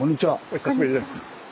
お久しぶりです。